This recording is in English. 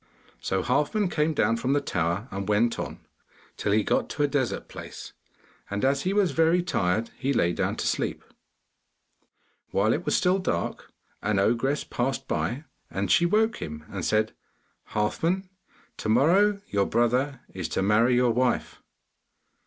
So Halfman came down from the tower, and went on, till he got to a desert place, and as he was very tired, he lay down to sleep. While it was still dark, an ogress passed by, and she woke him and said, 'Halfman, to morrow your brother is to marry your wife.